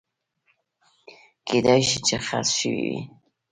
کېدای شي چې خرڅ شوي وي